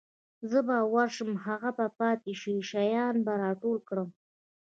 زه به ورشم هغه پاتې شوي شیان به راټول کړم.